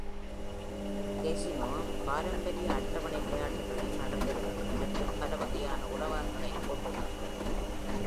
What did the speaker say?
Casino பாரம்பரிய அட்டவணை விளையாட்டுகளையும் நடத்துகிறது மற்றும் பலவகையான உணவகங்களைக் கொண்டுள்ளது.